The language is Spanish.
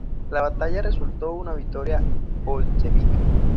La batalla resultó en una victoria bolchevique.